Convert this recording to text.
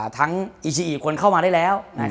ทั้งอีชีอีคนเข้ามาได้แล้ว